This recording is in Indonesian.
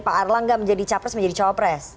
pak erlangga menjadi capres menjadi cawapres